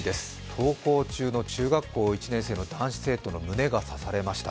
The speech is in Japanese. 登校中の中学校１年生の男子生徒の胸が刺されました。